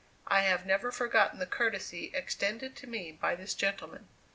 I have never forgotten the courtesy extended to me by this gentleman.